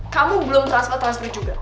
kamu belum transfer transfer juga